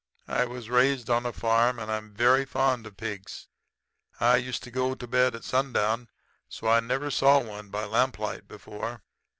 I was raised on a farm, and I'm very fond of pigs. I used to go to bed at sundown, so I never saw one by lamplight before.